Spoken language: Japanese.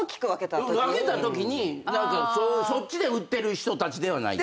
分けたときにそっちで売ってる人たちではないかな。